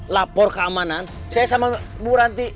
lapor keamanan saya sama bu ranti